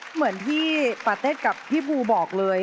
เหมือนที่ปาเต็ดกับพี่บูบอกเลย